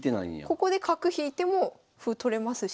ここで角引いても歩取れますし。